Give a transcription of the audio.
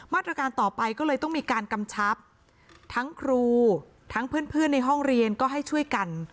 มาตรการต่อไปก็เลยต้องมีการกำชับทั้งครูทั้งเพื่อนในห้องเรียนก็ให้ช่วยกัน